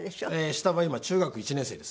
下が今中学１年生です。